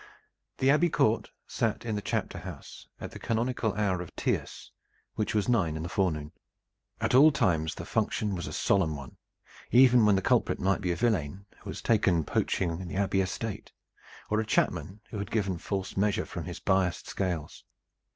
The Abbey court sat in the chapter house at the canonical hour of tierce, which was nine in the forenoon. At all times the function was a solemn one, even when the culprit might be a villain who was taken poaching on the Abbey estate, or a chapman who had given false measure from his biased scales.